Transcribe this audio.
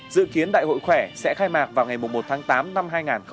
dự kiến đại hội khỏe sẽ khai mạc vào ngày một tháng tám năm hai nghìn hai mươi